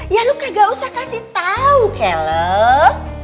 ya lo kagak usah kasih tau keles